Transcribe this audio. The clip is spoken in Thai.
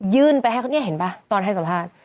ยื่นไปให้เขานี่เห็นป่ะตอนให้สภาพ